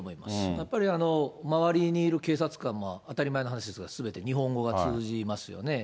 やっぱり周りにいる警察官も当たり前の話ですけど、すべて日本語が通じますよね。